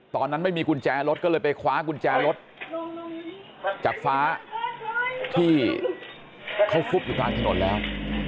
ตอนนั้นไม่มีกุญแจรถก็เลยไปคว้ากุญแจรถจากฟ้าที่เขาฟุบอยู่กลางถนนแล้ว